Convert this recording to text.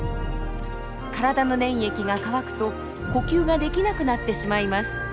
体の粘液が乾くと呼吸ができなくなってしまいます。